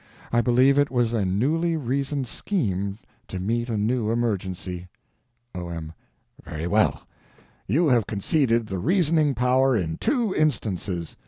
I believe it was a newly reasoned scheme to meet a new emergency. O.M. Very well. You have conceded the reasoning power in two instances.